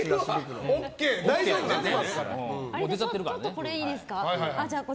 これいいですか？